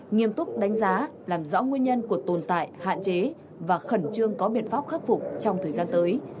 nghiêm túc đánh giá làm rõ nguyên nhân của tồn tại hạn chế và khẩn trương có biện pháp khắc phục trong thời gian tới